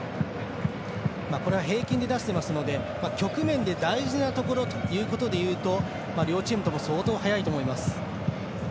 これは平均で出していますので局面で、大事なところというところでいうと両チームとも相当早いと思います。